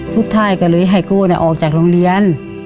สุดท้ายก็เลยให้โก้ออกจากโรงเรียน